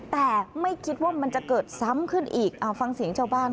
แต่ไม่คิดว่ามันจะเกิดซ้ำขึ้นอีกฟังเสียงชาวบ้าน